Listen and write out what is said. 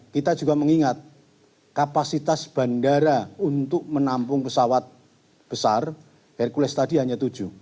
kita juga mengingat kapasitas bandara untuk menampung pesawat besar hercules tadi hanya tujuh